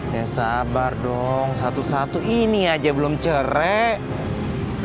ya sabar dong satu satu ini aja belum cerek